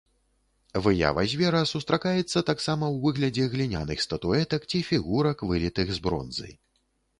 Выява звера сустракаецца таксама ў выглядзе гліняных статуэтак ці фігурак, вылітых з бронзы.